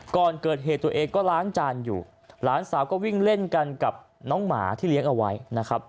ก่อนเกิดเหตุตัวเองก็ล้างจานอยู่หลานสาวก็วิ่งเล่นกันกับน้องหมาที่เลี้ยงเอาไว้นะครับ